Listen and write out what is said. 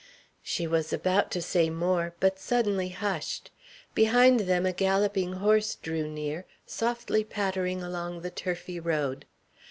She was about to say more, but suddenly hushed. Behind them a galloping horse drew near, softly pattering along the turfy road.